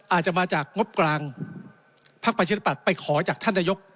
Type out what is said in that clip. อาจจะมาจากงบกลางภชิปัติไปขอจากท่านนโยค